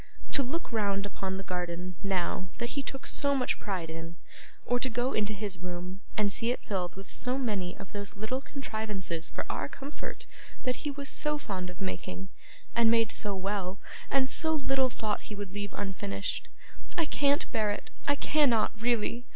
To look round upon the garden, now, that he took so much pride in, or to go into his room and see it filled with so many of those little contrivances for our comfort that he was so fond of making, and made so well, and so little thought he would leave unfinished I can't bear it, I cannot really.